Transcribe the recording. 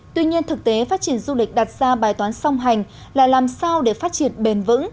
tuy nhiên thực tế phát triển du lịch đặt ra bài toán song hành là làm sao để phát triển bền vững